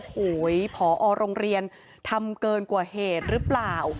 โหยผอโรงเรียนทำเกินกว่าเหตุหรือเปล่า